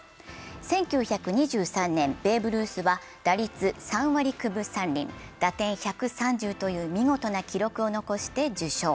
１９２３年、ベーブ・ルースは打率３割９分３厘打点１３０という見事な記録を残して受賞。